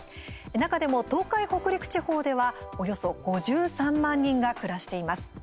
中でも、東海・北陸地方ではおよそ５３万人が暮らしています。